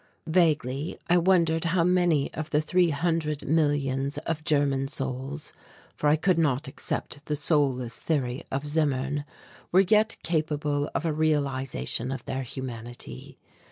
Vaguely I wondered how many of the three hundred millions of German souls for I could not accept the soulless theory of Zimmern were yet capable of a realization of their humanity.